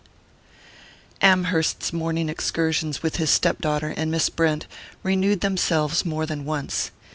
XX AMHERST'S morning excursions with his step daughter and Miss Brent renewed themselves more than once.